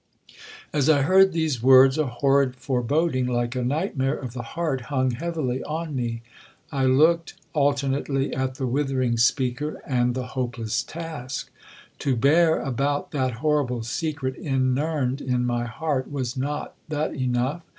'As I heard these words, a horrid foreboding, like a night mare of the heart, hung heavily on me. I looked alternately at the withering speaker, and the hopeless task. To bear about that horrible secret inurned in my heart, was not that enough?